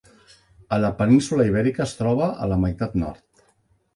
A la península Ibèrica es troba a la meitat nord.